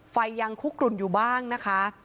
ไฟยังคุกกลุ่นอยู่บ้างนะคะ